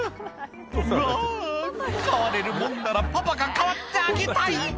「うわぁ代われるもんならパパが代わってあげたい！」